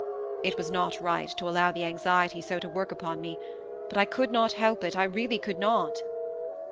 It was not right, to allow the anxiety so to work upon me: but I could not help it; I really could not."